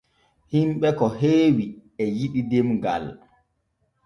Hinɓe ko heewi e yiɗi demgal.